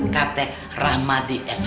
kata rahmadi sh